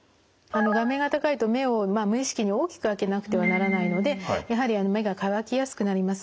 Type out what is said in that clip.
画面が高いと目を無意識に大きく開けなくてはならないのでやはり目が乾きやすくなります。